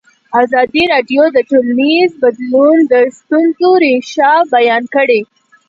ازادي راډیو د ټولنیز بدلون د ستونزو رېښه بیان کړې.